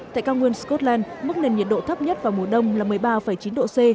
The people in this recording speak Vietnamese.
tại cao nguyên scotland mức nền nhiệt độ thấp nhất vào mùa đông là một mươi ba chín độ c